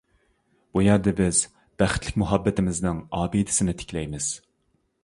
بۇ يەردە بىز بەختلىك مۇھەببىتىمىزنىڭ ئابىدىسىنى تىكلەيمىز.